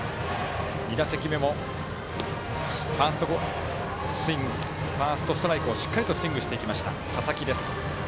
２打席目もファーストストライクをしっかりとスイングしていった佐々木です。